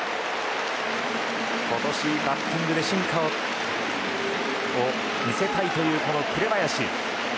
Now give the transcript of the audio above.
今年、バッティングで進化を見せたいという紅林。